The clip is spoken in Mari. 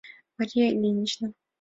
— Мария Ильинична...